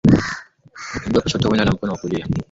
mguu wa kushoto huenda na mkono wa kulia